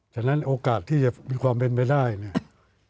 ฉะนั้นโอกาสที่จะมีความเป็นไปได้เนี่ย